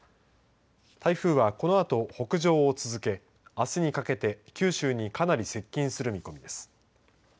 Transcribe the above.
台風はこのあと北上を続けあすにかけて九州にかなり接近する見込みです。